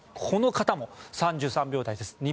この方も３３秒台です。